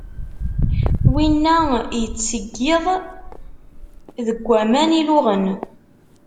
Winna yettseyyiḍ deg aman illuɣen.